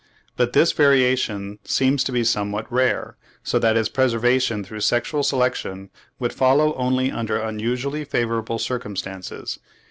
but this variation seems to be somewhat rare, so that its preservation through sexual selection would follow only under usually favourable circumstances.